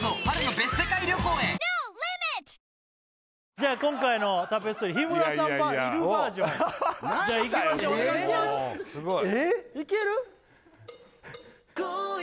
じゃあ今回の「タペストリー」日村さんいるバージョンじゃあいきましょうお願いしますいける？